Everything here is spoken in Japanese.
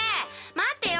待ってよ